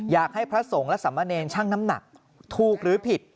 อยากให้พระสงฆ์และสัมมาเนญช่างน้ำหนักถูกหรือผิด